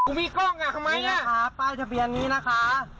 ไอ้กูมีกล้องอ่ะทำไมนี่นี่นะคะป้ายจับไปอย่างนี้นะคะ